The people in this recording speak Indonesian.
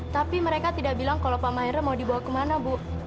tapi mereka tidak bilang kalau pak mahendra mau dibawa ke mana bu